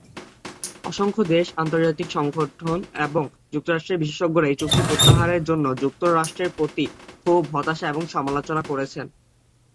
অসংখ্য দেশ, আন্তর্জাতিক সংগঠন এবং যুক্তরাষ্ট্রের বিশেষজ্ঞরা এই চুক্তি প্রত্যাহারের জন্য যুক্তরাষ্ট্রের প্রতি ক্ষোভ, হতাশা এবং সমালোচনা করেছে।